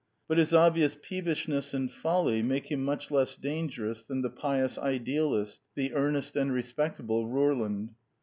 But his obvious peevishness and folly make him much less dangerous than the pious idealist, the earnest and respectable Rorlund.